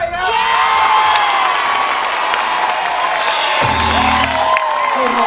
ร้องได้ให้ร้าน